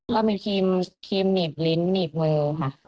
ก็มีครีมหนีบลิ้นนีบมือค่ะ